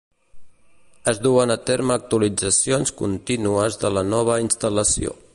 Es duen a terme actualitzacions continues de la nova instal·lació.